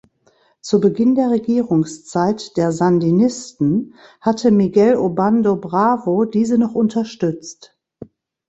Zu Beginn der Regierungszeit der Sandinisten hatte Miguel Obando Bravo diese noch unterstützt.